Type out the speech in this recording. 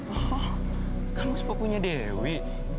oh kamu sepupunya dewi